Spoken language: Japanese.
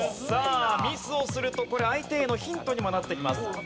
さあミスをするとこれ相手へのヒントにもなってきます。